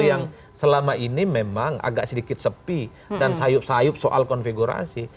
yang selama ini memang agak sedikit sepi dan sayup sayup soal konfigurasi